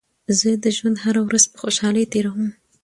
زه د ژوند هره ورځ په خوشحالۍ تېروم.